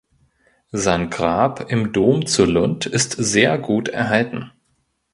Sein Grab im Dom zu Lund ist sehr gut erhalten.